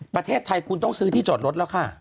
ประเทศไทยคุณต้องซื้อที่จอดรถแล้วค่ะ